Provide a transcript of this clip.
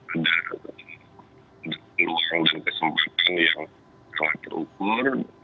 ada peluang dan kesempatan yang sangat terukur